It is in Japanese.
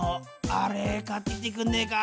あれ買ってきてくんねえか？